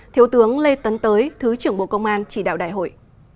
thiếu tướng lê tấn tới thứ trưởng bộ công an chỉ đạo đại hội